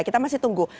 kita masih tunggu